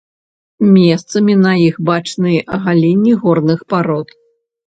Месцамі на іх бачныя агаленні горных парод.